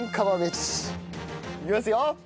いきますよ。